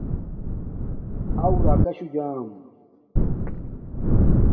اُو راکاشو جام